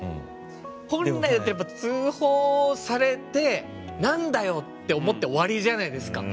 本来だとやっぱ通報されてなんだよ！って思って終わりじゃないですか。